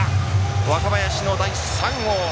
若林の第３号。